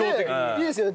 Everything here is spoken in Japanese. いいですよね。